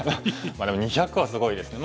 でも２００はすごいですね。